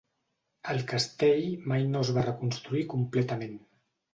El castell mai no es va reconstruir completament.